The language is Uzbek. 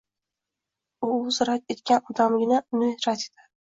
U o`zi rad etgan odamgina uni rad etadi